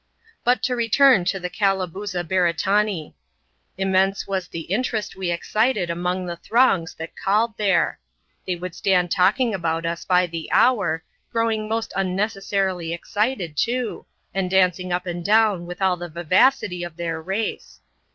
But to return to the Calabooza Beretanee* Immense was the iterest we excited among the throngs that called there ; they rould stand talking about us by the hour, growing most unneces arily excited too, and dancing up and down with all the vivacity f their race.